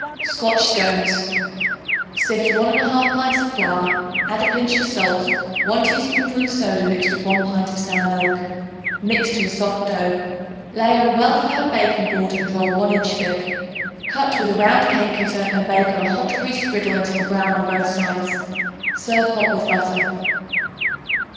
Scotch Scones. Sift 1 1/2 pints of flour; add a pinch of salt, 1 teaspoonful of soda mixed with 1 pint of sour milk. Mix to a soft dough. Lay on a well floured baking board and roll 1 inch thick. Cut with a round cake cutter and bake on a hot greased griddle until brown on both sides. Serve hot with butter.